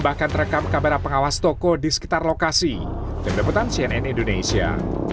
bahkan terekam kamera pengawas toko di sekitar lokasi dan deputan cnn indonesia